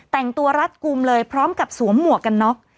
แต่งตัวรัดกลุ่มเลยพร้อมกับสวมหมวกกันน็อก